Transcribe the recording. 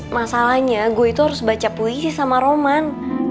masalahnya gue itu harus baca puisi sama roman